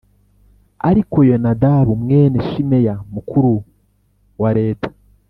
Ariko Yonadabu mwene Shimeya mukuru wa leta